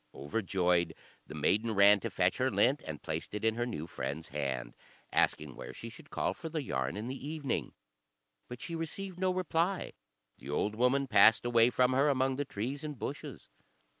Overjoyed, the maiden ran to fetch her lint, and placed it in her new friend's hand, asking where she should call for the yarn in the evening; but she received no reply; the old woman passed away from her among the trees and bushes.